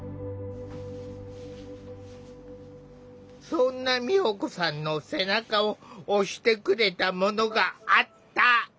そんな美保子さんの背中を押してくれたものがあった。